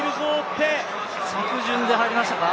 着順で入りましたか。